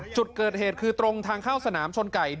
จุดเกิดเหตุคือตรงทางเข้าสนามชนไก่